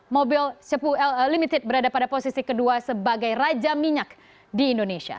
mobil cepu limited berada pada posisi kedua sebagai raja minyak di indonesia